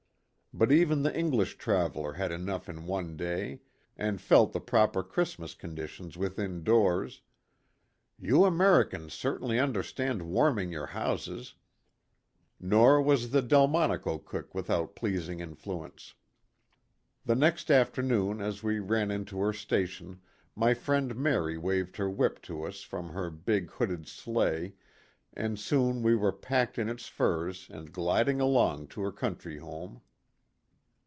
But even the English traveler had enough in one day; and felt the proper Christmas conditions within doors " You Americans certainly under stand warming your houses " nor was the Delmonico cook without pleasing influence. The next afternoon as we ran into her sta tion my friend Mary waved her whip to us from her big hooded sleigh and soon we were packed in its furs and gliding along to her country home.